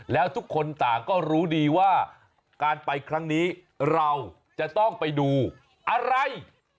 แล้วทุกคนต่างก็รู้ดีว่าการไปครั้งนี้เราจะต้องไปดูอะไร